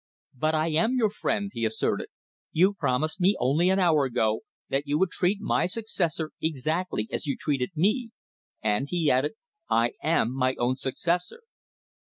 "But I am your friend," he asserted. "You promised me only an hour ago that you would treat my successor exactly as you treated me. And," he added, "I am my own successor!"